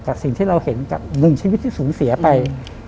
สิ่งที่เราเห็นกับหนึ่งชีวิตที่สูญเสียไป